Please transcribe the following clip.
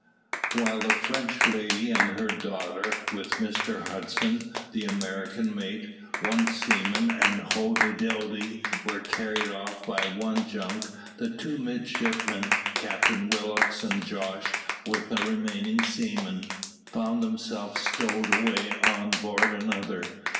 While the French lady and her daughter, with Mr Hudson, the American mate, one seaman, and Hoddidoddi were carried off by one junk, the two midshipmen, Captain Willock, and Jos, with the remaining seamen, found themselves stowed away on board another.